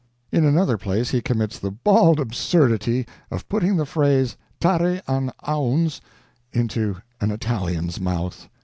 In another place he commits the bald absurdity of putting the phrase "tare an ouns" into an Italian's mouth.